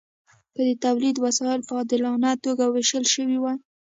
که د تولید وسایل په عادلانه توګه ویشل شوي وای.